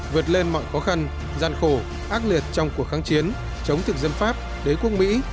vượt lên mọi khó khăn gian khổ ác liệt trong cuộc kháng chiến chống thực dân pháp đế quốc mỹ